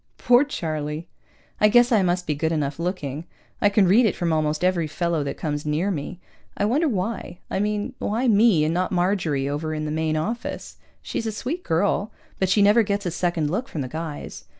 Poor Charlie! I guess I must be good enough looking. I can read it from almost every fellow that comes near me. I wonder why? I mean, why me and not Marjorie over in the Main Office? She's a sweet girl, but she never gets a second look from the guys.